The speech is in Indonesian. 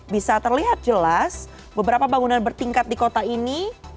bisa terlihat jelas beberapa bangunan bertingkat di kota ini